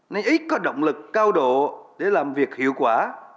nên ít có động lực cao độ để làm việc hiệu quả